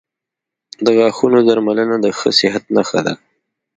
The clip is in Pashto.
• د غاښونو درملنه د ښه صحت نښه ده.